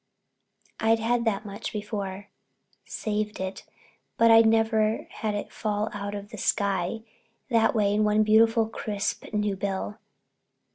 I'd had that much before—saved it—but I'd never had it fall out of the sky that way in one beautiful, crisp, new bill.